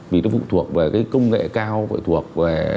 vì nó phụ thuộc về cái công nghệ cao thuộc về